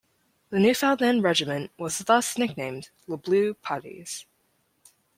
The Newfoundland Regiment was thus nicknamed "The Blue Puttees".